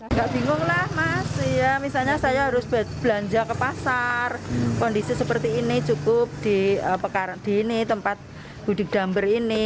tidak bingung lah mas misalnya saya harus belanja ke pasar kondisi seperti ini cukup di tempat budik dander ini